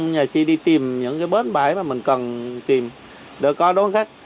nhà khi đi tìm những cái bến bãi mà mình cần tìm để có đón khách